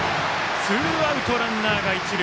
ツーアウトランナーが一塁。